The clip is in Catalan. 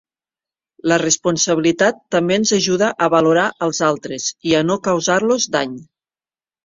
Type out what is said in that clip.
La responsabilitat també ens ajuda a valorar als altres i a no causar-los dany.